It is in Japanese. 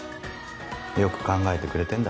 よく考えてくれてんだ。